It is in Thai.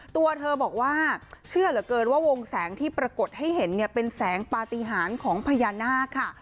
ตัวเธอบอกว่าเชื่อเหลือเกินว่าวงแสงที่ปรากฏให้เห็นเนี่ยเป็นแสงปฏิหารของพญานาคค่ะ